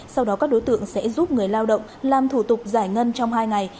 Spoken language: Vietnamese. sau đó các đối tượng sẽ giúp người lao động làm thủ tục giải ngân trong hai ngày